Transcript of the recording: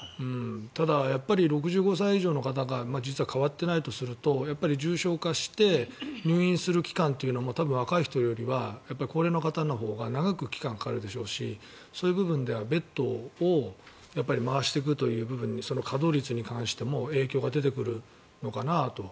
ただやっぱり６５歳以上の方が実は変わってないとすると重症化して、入院する期間も多分若い人よりはやっぱり高齢の方のほうが長い期間がかかるでしょうしそういう部分ではベッドを回していくという部分にその稼働率に関しても影響が出てくるのかなと。